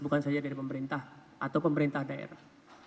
bukan saja dari pemerintah atau pemerintah daerah